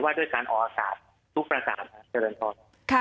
ด้วยการออกอากาศทุกประสาทเจริญพร